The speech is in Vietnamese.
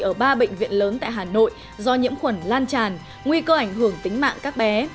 ở ba bệnh viện lớn tại hà nội do nhiễm khuẩn lan tràn nguy cơ ảnh hưởng tính mạng các bé